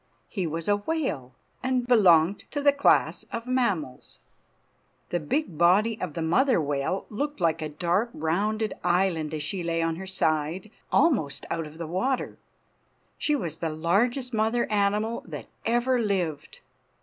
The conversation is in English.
He was a whale, and belonged to the class of mammals. The big body of the mother whale looked like a dark rounded island as she lay on her side almost out of water. She was the largest mother animal that ever lived.